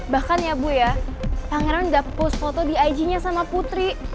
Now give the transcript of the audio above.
bahkan ya bu ya pangeran udah push foto di ig nya sama putri